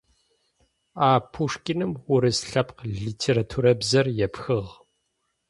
А. Пушкиным урыс лъэпкъ литературабзэр епхыгъ.